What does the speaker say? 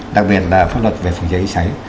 đặc biệt là pháp luật về phòng cháy cháy